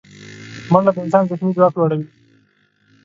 منډه د انسان ذهني ځواک لوړوي